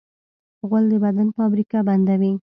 غول د بدن فابریکه بندوي.